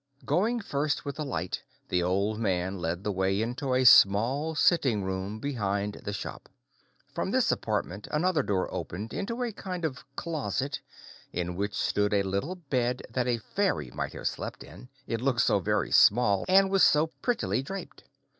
Going first with the light, the old man led the way into a small sitting room behind the shop. From this apartment another door opened into a kind of closet, in which stood a little bed that a fairy might have slept in, it looked so very small and was so prettily draped.